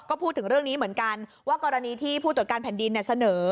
ก็พูดถึงเรื่องนี้เหมือนกันว่ากรณีที่ผู้ตรวจการแผ่นดินเสนอ